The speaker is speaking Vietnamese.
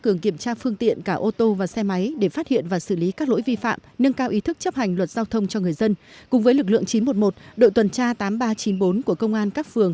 để kiểm tra các phương tiện và người tham gia giao thông vi phạm và để chấn chỉnh lại tập tự an ninh trên thành phố